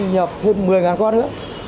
là nhập thêm một mươi con nữa